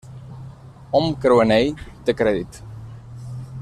Hom creu en ell; té crèdit.